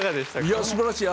いやすばらしい。